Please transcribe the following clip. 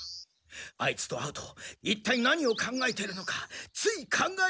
アイツと会うといったい何を考えてるのかつい考えるようになってしまって。